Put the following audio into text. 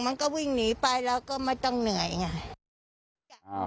มันก็วิ่งหนีไปเราก็ไม่ต้องเหนื่อยไง